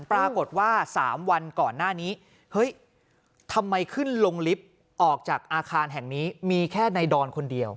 ปรากฏว่า๓วันก่อนหน้านี้เฮ้ยทำไมขึ้นลงลิฟต์ออกจากอาคารแห่งนี้มีแค่ในดอนคนเดียว